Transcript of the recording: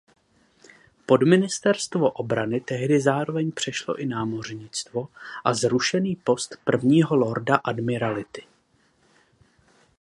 Pod ministerstvo obrany tehdy zároveň přešlo i námořnictvo a zrušený post prvního lorda admirality.